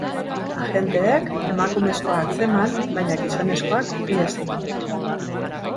Agenteek emakumezkoa atzeman, baina gizonezkoak ihes egin du.